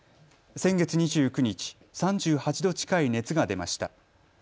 先月２９日、３８度近い熱が出ました。